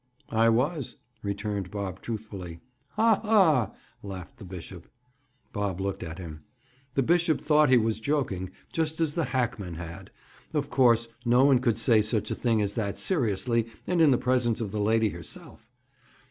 "I was," returned Bob truthfully. "Ha! ha!" laughed the bishop. Bob looked at him. The bishop thought he was joking, just as the hackman had. Of course, no one could say such a thing as that seriously and in the presence of the lady herself.